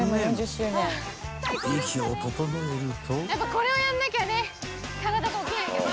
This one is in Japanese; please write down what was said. ・これをやんなきゃね体が起きないから。